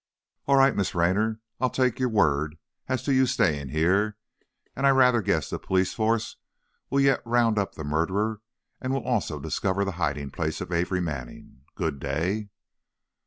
"All right. Miss Raynor. I'll take your word as to your staying here, and I rather guess the police force will yet round up the murderer and will also discover the hiding place of Amory Manning. Good day."